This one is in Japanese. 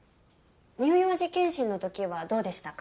乳幼児健診の時はどうでしたか？